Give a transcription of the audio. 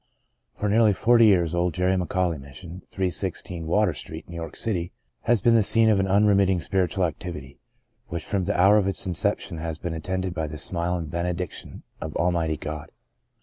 FOR nearly forty years the Old Jerry McAuley Mission, 316 Water Street, New York City, has been the scene of an unremitting spiritual activity, which from the hour of its inception has been attended by the smile and benediction of Almighty God.